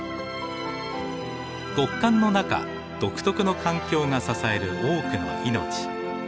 極寒の中独特の環境が支える多くの命。